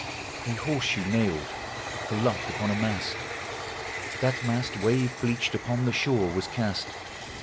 A iiorse siioe nailed, for luck, upon a mast; That mast, wave bleached, upon the shore was cast!